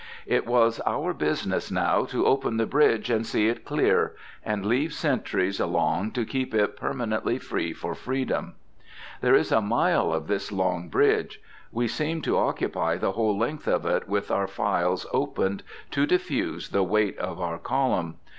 It was our business now to open the bridge and see it clear, and leave sentries along to keep it permanently free for Freedom. There is a mile of this Long Bridge. We seemed to occupy the whole length of it, with our files opened to diffuse the weight of our column.